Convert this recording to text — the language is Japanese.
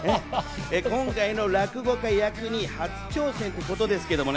今回の落語家役に初挑戦ってことですけどね。